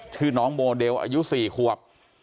ชื่อน้องโมเดลอายุ๔ขวบ